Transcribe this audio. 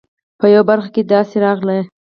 په یوه برخه کې یې داسې راغلي.